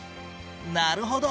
なるほど！